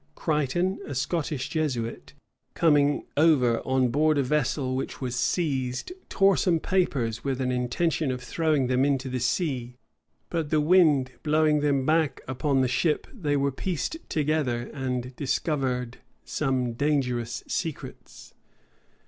Creighton, a Scottish Jesuit, coming over on board a vessel which was seized, tore some papers with an intention of throwing them into the sea; but the wind blowing them back upon the ship, they were pieced together, and discovered some dangerous secrets.